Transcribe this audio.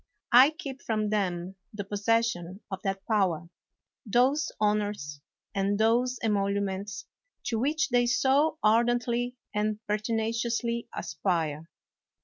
I keep from them the possession of that power, those honors, and those emoluments, to which they so ardently and pertinaciously aspire.